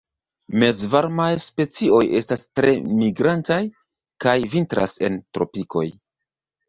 Mezvarmaj specioj estas tre migrantaj, kaj vintras en tropikoj.